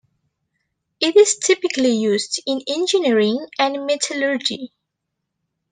It is typically used in engineering and metallurgy.